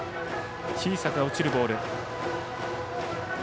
小さく落ちるボールでした。